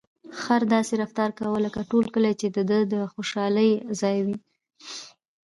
خر داسې رفتار کاوه لکه ټول کلي چې د ده د خوشحالۍ ځای وي.